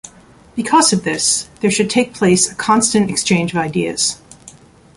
Because of this there should take place a constant exchange of ideas.